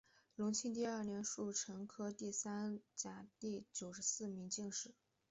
隆庆二年戊辰科第三甲第九十四名进士。